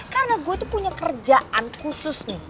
karena gua tuh punya kerjaan khusus nih